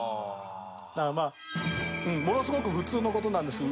だからまあものすごく普通の事なんですけど。